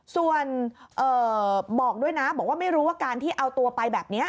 ส่วนบอกด้วยนะบอกว่าไม่รู้ว่าการที่เอาตัวไปแบบนี้